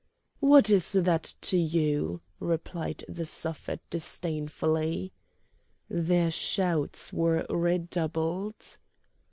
"What is that to you?" replied the Suffet disdainfully. Their shouts were redoubled.